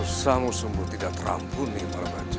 urusamu sumber tidak terampuni marwajo